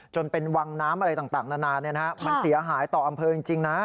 จนเป็นวังน้ำอะไรต่างนานามันเสียหายต่ออำเภอจริงนะ